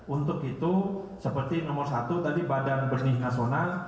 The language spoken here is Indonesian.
untuk itu seperti nomor satu tadi badan benih nasional